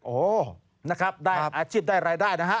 โอ้นะครับได้อาชีพได้รายได้นะฮะ